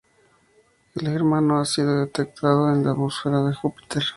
El germano ha sido detectado en la atmósfera de Júpiter.